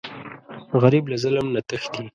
غریب له ظلم نه تښتي